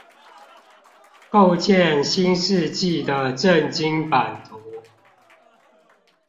構建新世紀的政經版圖